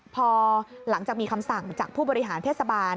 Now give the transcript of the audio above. พอหลังจากมีคำสั่งจากผู้บริหารเทศบาล